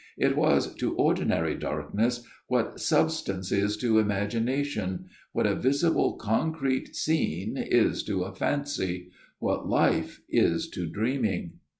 It was to ordinary darkness, what substance is to imagination what a visible concrete scene is to a fancy what life is to dreaming.